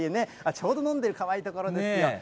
ちょうど飲んでる、かわいいところですよ。